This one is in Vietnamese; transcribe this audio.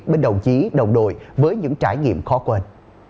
bên đồng chí đồng đội với những trải nghiệm khó quên